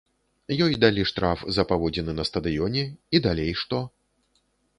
Ёй далі штраф за паводзіны на стадыёне, і далей што?